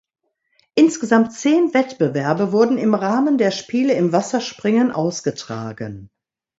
Insgesamt zehn Wettbewerbe wurden im Rahmen der Spiele im Wasserspringen ausgetragen.